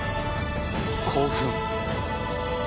興奮。